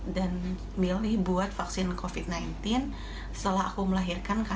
dan milih buat vaksin covid sembilan belas setelah aku melahirkan